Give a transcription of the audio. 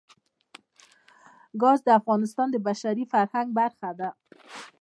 ګاز د افغانستان د بشري فرهنګ برخه ده.